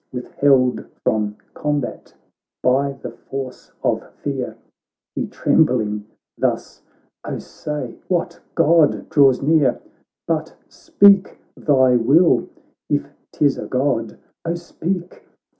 Withheld from combat by the force of fear, He trembling thus :' Oh say, what God draws near? But speak thy will, if 'tis a God, oh speak